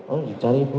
oh dicari ibu